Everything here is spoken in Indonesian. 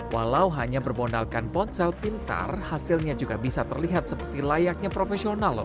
walau hanya berbondalkan ponsel pintar hasilnya juga bisa terlihat seperti layaknya profesional loh